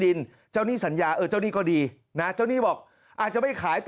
เจ้าหนี้สัญญาเออเจ้าหนี้ก็ดีนะเจ้าหนี้บอกอาจจะไม่ขายต่อ